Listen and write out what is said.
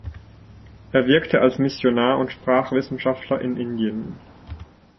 Er wirkte als Missionar und Sprachwissenschaftler in Indien.